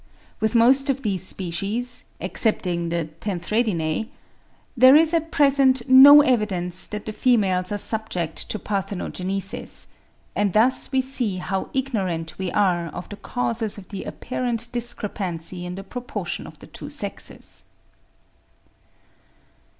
With most of these species (excepting the Tenthredinae) there is at present no evidence that the females are subject to parthenogenesis; and thus we see how ignorant we are of the causes of the apparent discrepancy in the proportion of the two sexes.